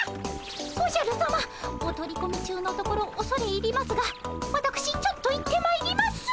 おじゃるさまお取り込み中のところおそれ入りますがわたくしちょっと行ってまいります。